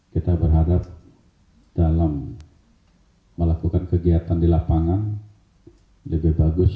kita berharap dalam melakukan kegiatan di lapangan lebih bagus